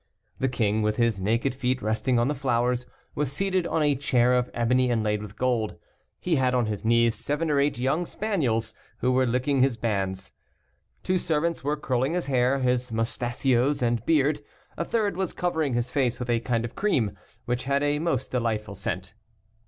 The king, with his naked feet resting on the flowers, was seated on a chair of ebony inlaid with gold; he had on his knees seven or eight young spaniels, who were licking his bands. Two servants were curling his hair, his mustachios, and beard, a third was covering his face with a kind of cream, which had a most delightful scent.